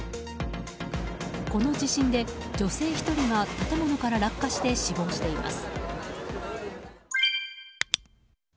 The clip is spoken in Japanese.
この地震で、女性１人が建物から落下して死亡しています。